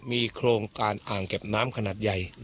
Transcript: มีโครงการอ่างเก็บน้ำขนาดใหญ่